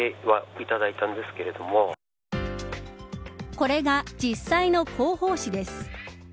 これが、実際の広報誌です。